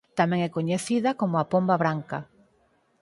Tamén é coñecida como "A pomba branca".